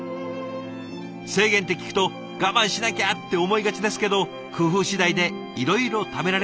制限って聞くと我慢しなきゃって思いがちですけど工夫次第でいろいろ食べられるんですね。